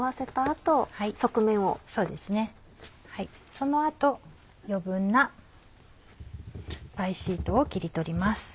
その後余分なパイシートを切り取ります。